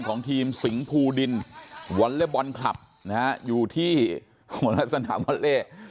ของทีมสิงห์ภูดินวอเลบอนคลับนะฮะอยู่ที่โหแล้วสนามวอเล